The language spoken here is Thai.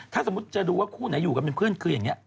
ถ้าสมมุติจะดูว่าคู่ไหนอยู่กันเป็นเพื่อนคืออย่างนี้